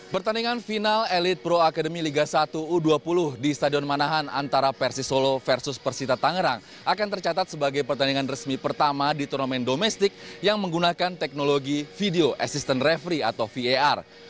pertandingan final elite pro academy liga satu u dua puluh di stadion manahan antara persisolo versus persita tangerang akan tercatat sebagai pertandingan resmi pertama di turnamen domestik yang menggunakan teknologi video assistant referee atau var